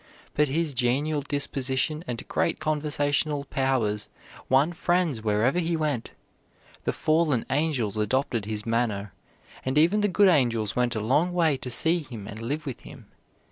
But his genial disposition and great conversational powers won friends wherever he went. The fallen angels adopted his manner, and even the good angels went a long way to see him and live with him.